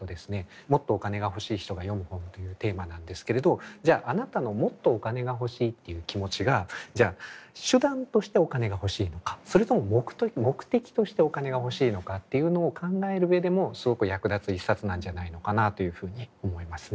もっとお金が欲しい人が読む本というテーマなんですけれどじゃああなたのもっとお金が欲しいっていう気持ちがじゃあ手段としてお金が欲しいのかそれとも目的としてお金が欲しいのかっていうのを考える上でもすごく役立つ一冊なんじゃないのかなというふうに思いますね。